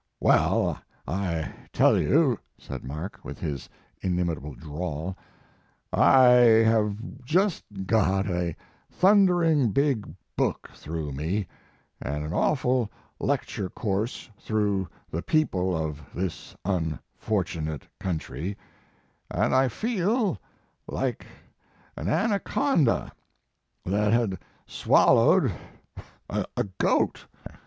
"Well, I tell you," said Mark, with his inimitable drawl, "I have just got a thundering big book through me, and an awful lecture course through the people of this unfor tunate country, and I feel like an ana conda that had swallowed a goat.